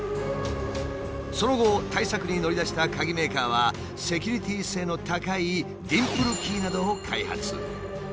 その後対策に乗り出した鍵メーカーはセキュリティー性の高いディンプルキーなどを開発。